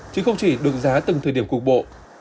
chứ không chỉ được giá từng thời điểm cục bộ